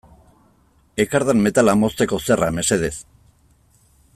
Ekardan metala mozteko zerra mesedez.